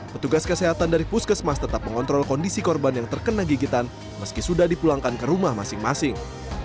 petugas kesehatan dari puskesmas tetap mengontrol kondisi korban yang terkena gigitan meski sudah dipulangkan ke rumah masing masing